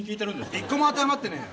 一個も当てはまってねえよ。